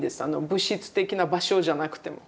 物質的な場所じゃなくても。